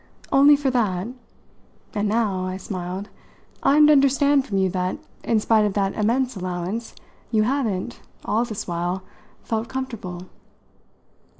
Only for that. And now," I smiled, "I'm to understand from you that, in spite of that immense allowance, you haven't, all this while, felt comfortable?"